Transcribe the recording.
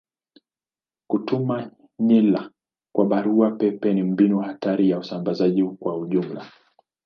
Kutuma nywila kwa barua pepe ni mbinu hatari ya usambazaji kwa ujumla.